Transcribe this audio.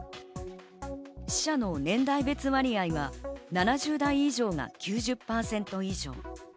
死者の年代別割合は７０代以上が９０％以上。